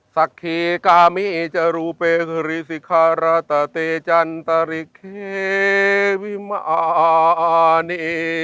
สัขเกกามิจรุเปธริสิขระตะเตจันตริเขวิมอาณิ